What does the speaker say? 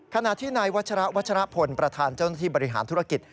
ขณะที่นายวัชระวัชรพลประธานเจ้าหน้าที่บริหารธุรกิจ